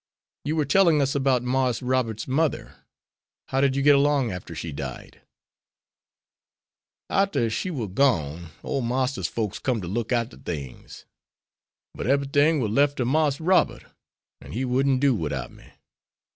"You were telling us about Marse Robert's mother. How did you get along after she died?" "Arter she war gone, ole Marster's folks come to look arter things. But eberything war lef' to Marse Robert, an' he wouldn't do widout me.